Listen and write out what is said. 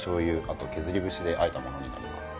あと削り節であえたものになります